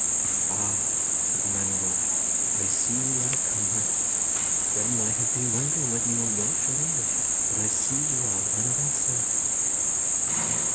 "Ah," said the man, in Welsh, "I see you are a Cumro. Gwen and I have been wondering whether you were Welsh or English; but I see you are one of ourselves."